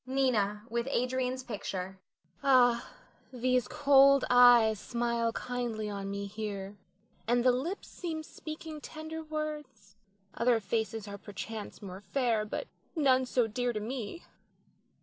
Nina [with Adrian's picture]. Ah, these cold eyes smile kindly on me here, and the lips seem speaking tender words. Other faces are perchance more fair, but none so dear to me.